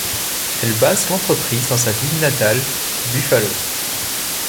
Elle base l'entreprise dans sa ville natale, Buffalo.